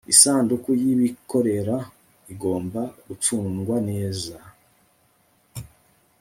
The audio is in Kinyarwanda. isanduku ybikorera igomba gucungwa neza